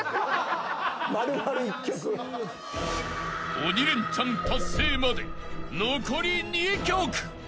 ［鬼レンチャン達成まで残り２曲］